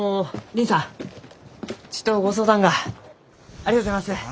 ありがとうございます。